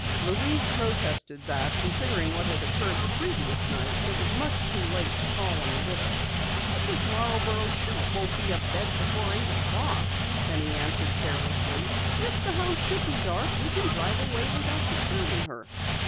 Louise protested that, considering what had occurred the previous night, it was much too late to call on the widow. "Mrs. Marborough surely won't be abed before eight o'clock," Penny answered carelessly. "If the house should be dark, we can drive away without disturbing her."